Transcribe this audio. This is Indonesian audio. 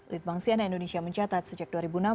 litbang sian indonesia mencatat sejak dua ribu enam belas